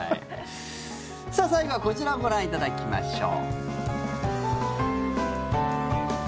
最後はこちらをご覧いただきましょう。